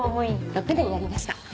６年やりました。